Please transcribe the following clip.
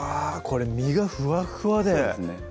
これ身がふわふわでそうですね